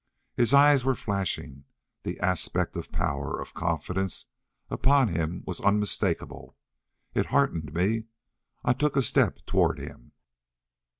His eyes were flashing. The aspect of power, of confidence, upon him was unmistakable. It heartened me. I took a step toward him.